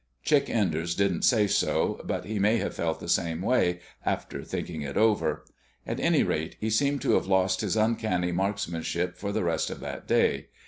Chick Enders didn't say so, but he may have felt the same way, after thinking it over. At any rate, he seemed to have lost his uncanny marksmanship for the rest of that day.